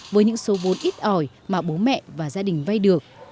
với những số vốn ít ỏi mà bố mẹ và gia đình vay được